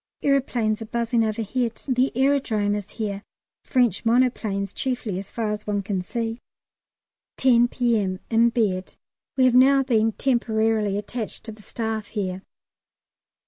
Aeroplanes are buzzing overhead. The Aerodrome is here, French monoplanes chiefly as far as one can see. 10 P.M., in bed. We have now been temporarily attached to the Staff here.